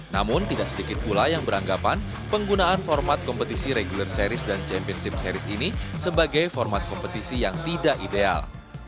namun tidak sedikit pula yang beranggapan penggunaan format kompetisi regular series dan championship series ini sebagai format kompetisi yang tidak ideal